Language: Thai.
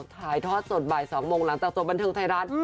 ถ่ายทอดสดบ่าย๒โมงหลังจากจบบันเทิงไทยรัฐ